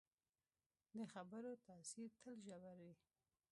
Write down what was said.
د خبرو تاثیر تل ژور وي